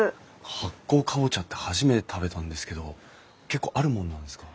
発酵カボチャって初めて食べたんですけど結構あるもんなんですか？